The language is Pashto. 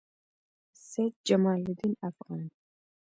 سعید جمالدین افغان